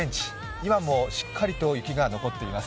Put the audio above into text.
今もしっかりと雪が残っています。